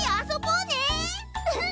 うん！